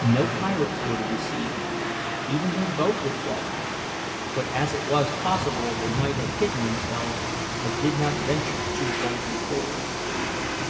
No pirates were to be seen even their boat was gone; but as it was possible they might have hidden themselves, I did not venture too boldly forward.